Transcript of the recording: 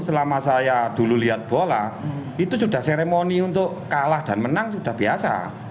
selama saya dulu lihat bola itu sudah seremoni untuk kalah dan menang sudah biasa